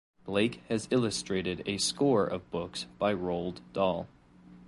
Blake has illustrated a score of books by Roald Dahl.